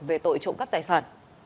về tội trộm cắp tài sản